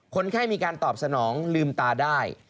คนไข้มีการตอบสนองลืมตาได้